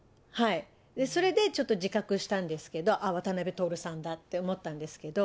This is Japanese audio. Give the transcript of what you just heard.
それでちょっと、自覚したんですけど、ああ、渡辺徹さんだって思ったんですけど。